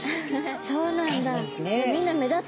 そうなんだ！